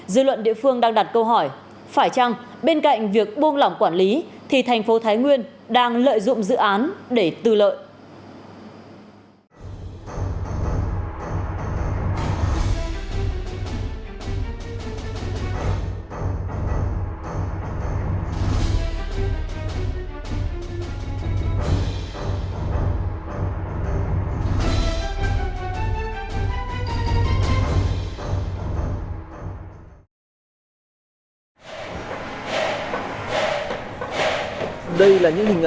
dư luận địa phương đang đặt câu hỏi phải chăng bên cạnh việc buông lỏng quản lý thì thành phố thái nguyên đang lợi dụng dự án để tư lợi